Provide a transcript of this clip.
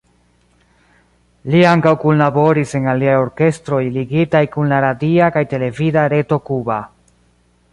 Li ankaŭ kunlaboris en aliaj orkestroj ligitaj kun la radia kaj televida reto kuba.